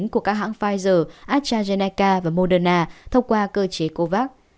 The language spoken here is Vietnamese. của các hãng pfizer astrazeneca và moderna thông qua cơ chế covax